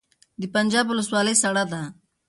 د پنجاب ولسوالۍ سړه ده